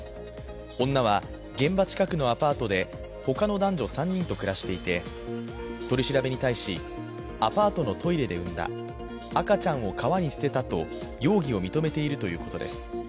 女は現場近くのアパートで、他の男女３人と暮らしていて、取り調べに対し、アパートのトイレで産んだ、赤ちゃんを川に捨てたと容疑を認めているということです。